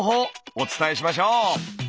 お伝えしましょう！